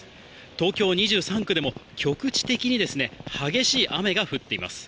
東京２３区でも、局地的に激しい雨が降っています。